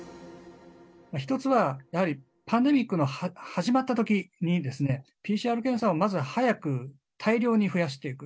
１つは、やはりパンデミックの始まったときに、ＰＣＲ検査をまず早く、大量に増やしていく。